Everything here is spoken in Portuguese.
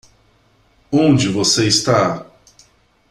Onde você está?